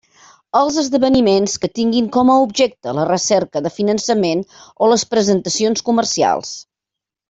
Els esdeveniments que tinguin com a objecte la recerca de finançament o les presentacions comercials.